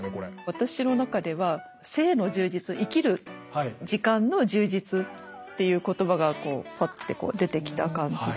私の中では生の充実生きる時間の充実っていう言葉がこうパッて出てきた感じで。